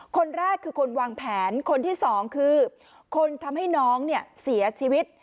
คนแรกคือคนวางแผนคนที่สองคือคนทำให้น้องเนี่ยเสียชีวิต